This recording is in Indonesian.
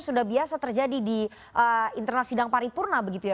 sudah biasa terjadi di internal sidang paripurna begitu ya